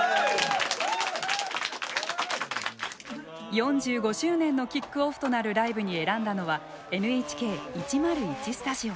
４５周年のキックオフとなるライブに選んだのはＮＨＫ１０１スタジオ。